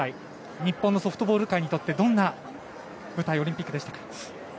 日本のソフトボール界にとってどんな舞台となったオリンピックでしたか？